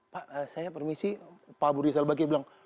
pak saya permisi pak buriza lepaki bilang